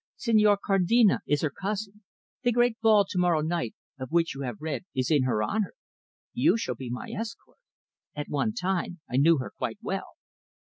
Signor Cardina is her cousin. The great ball to morrow night, of which you have read, is in her honour. You shall be my escort. At one time I knew her quite well."